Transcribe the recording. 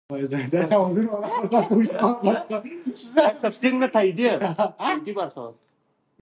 نه مي علم نه دولت سي ستنولای